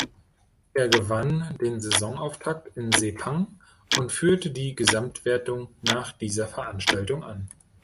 Er gewann den Saisonauftakt in Sepang und führte die Gesamtwertung nach dieser Veranstaltung an.